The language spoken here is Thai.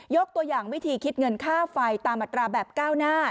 ตัวอย่างวิธีคิดเงินค่าไฟตามอัตราแบบก้าวหน้า